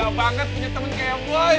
bahaya banget punya temen kayak boy ya